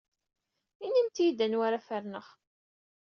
Inimt-iyi-d anwa ara ferneɣ.